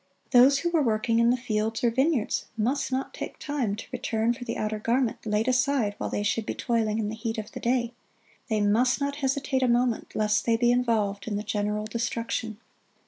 Those who were working in the fields or vineyards must not take time to return for the outer garment laid aside while they should be toiling in the heat of the day. They must not hesitate a moment, lest they be involved in the general destruction.